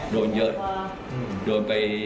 โดยน้ำได้แบบหิม